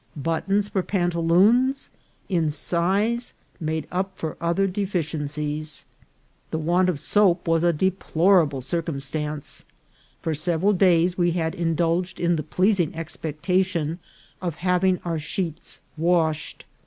Buttons for pantaloons, in size, made up for other deficiencies. The want of soap was a deplorable circumstance. For several days we had indulged in the pleasing expectation of having our sheets washed.